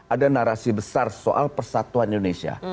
ada narasi besar soal persatuan indonesia